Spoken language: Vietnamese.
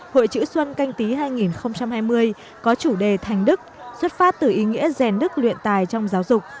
hội chữ xuân canh tí hai nghìn hai mươi có chủ đề thành đức xuất phát từ ý nghĩa rèn đức luyện tài trong giáo dục